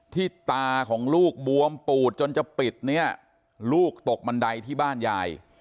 ที่ตาของลูกบวมปูดจนจะปิดเนี่ยลูกตกบันไดที่บ้านยาย